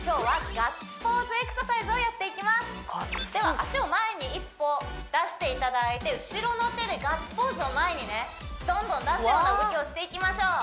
ガッツポーズ足を前に一歩出していただいて後ろの手でガッツポーズを前にねどんどん出すような動きをしていきましょう